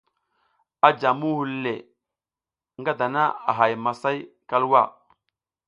A jam muhul le ngada a hay masay kalwa.